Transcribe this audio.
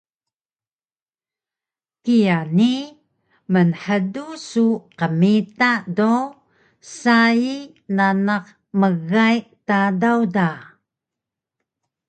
Kiya ni mnhdu su qmita do sai nanaq mgay Tadaw da